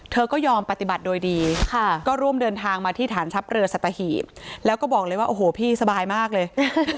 ก็ยอมปฏิบัติโดยดีก็ร่วมเดินทางมาที่ฐานทัพเรือสัตหีบแล้วก็บอกเลยว่าโอ้โหพี่สบายมากเลย